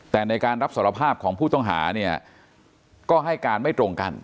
แต่ในการรับสารภาพของผู้ต้องหาเนี่ยก็ให้การไม่ตรงกัน